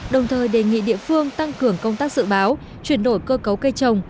đồng thời đề nghị địa phương tăng cường công tác dự báo chuyển đổi cơ cấu cây trồng